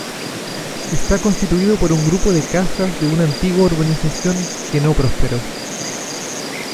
Está constituido por un grupo de casas de una antigua urbanización que no prosperó.